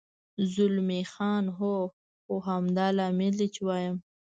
زلمی خان: هو، خو همدا لامل دی، چې وایم.